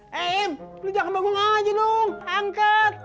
hei im lu jangan bangung aja dong angkat